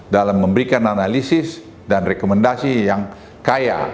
dalam memberikan analisis dan rekomendasi yang kaya